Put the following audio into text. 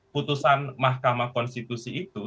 putusan mahkamah konstitusi itu